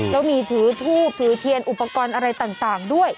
แล้วมีถือทูบถือเทียนอุปกรณ์อะไรต่างด้วย